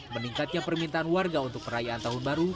meningkatnya permintaan warga untuk perayaan tahun baru